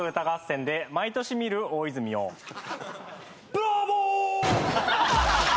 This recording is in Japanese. ブラボー！